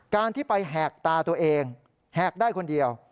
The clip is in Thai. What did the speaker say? การที่ไปแหกตาตัวเองแหกได้คนเดียว